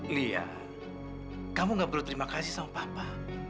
lia kamu gak perlu terima kasih sama papa